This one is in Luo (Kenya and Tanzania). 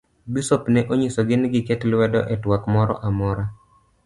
Bisop ne onyiso gi ni giket lwedo e twak moro amora.